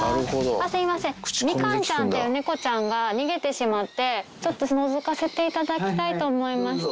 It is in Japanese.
すみません、みかんちゃんっていう猫ちゃんが逃げてしまって、ちょっとのぞかせていただきたいと思いまして。